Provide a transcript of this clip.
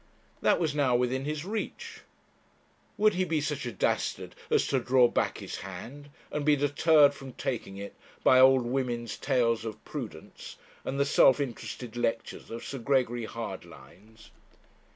That was now within his reach. Would he be such a dastard as to draw back his hand, and be deterred from taking it, by old women's tales of prudence, and the self interested lectures of Sir Gregory Hardlines?